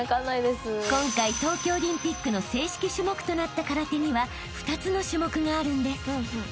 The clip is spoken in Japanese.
［今回東京オリンピックの正式種目となった空手には２つの種目があるんです］